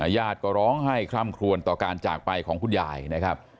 ญาติก็ร้องไห้คล่ำครวนต่อการจากไปของคุณยายนะครับ